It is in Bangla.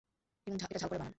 এবং এটা ঝাল করে বানান।